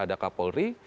ada pak polri